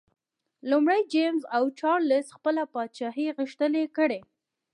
لومړی جېمز او چارلېز خپله پاچاهي غښتلي کړي.